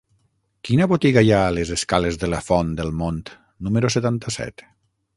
Quina botiga hi ha a les escales de la Font del Mont número setanta-set?